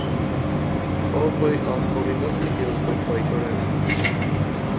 او کوئی ام کڑی نہسی کہ کوئی اس ٹھوائی شوڑے